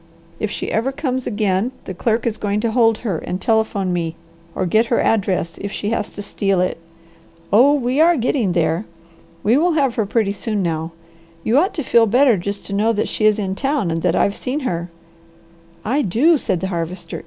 If she ever comes again the clerk is going to hold her and telephone me or get her address if she has to steal it. Oh, we are getting there! We will have her pretty soon now. You ought to feel better just to know that she is in town and that I've seen her." "I do!" said the Harvester.